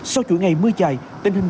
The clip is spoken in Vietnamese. sau chuỗi ngày mưa dài tình hình